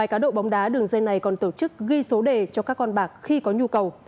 hai cá độ bóng đá đường dây này còn tổ chức ghi số đề cho các con bạc khi có nhu cầu